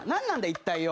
一体よ。